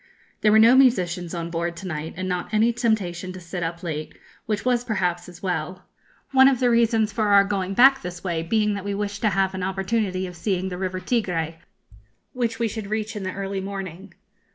There were no musicians on board to night, and not any temptation to sit up late, which was perhaps as well; one of the reasons for our going back this way being that we wished to have an opportunity of seeing the River Tigré, which we should reach in the early morning.